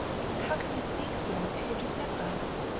" How can you speak so to your Giuseppa!